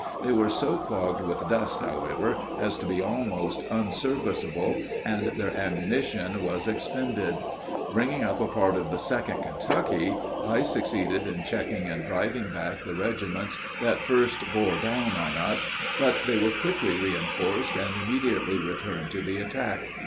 They were so clogged with dust, however, as to be almost unserviceable, and their ammunition was expended. Bringing up a part of the 2d Kentucky, I succeeded in checking and driving back the regiments that first bore down on us, but they were quickly reinforced and immediately returned to the attack.